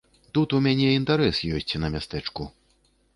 Тут у мяне інтэрас ёсць на мястэчку.